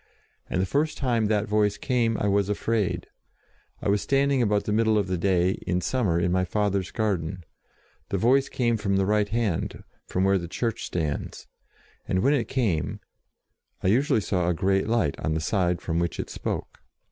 And the first time that Voice came, I was afraid. I was standing about the middle of HOW THE VOICES CAME 13 the day, in summer, in my father's garden. The Voice came from the right hand, from where the church stands, and when it came I usually saw a great light on the side from which it spoke.